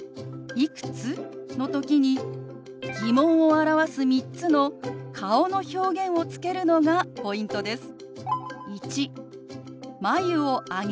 「いくつ？」の時に疑問を表す３つの顔の表現をつけるのがポイントです。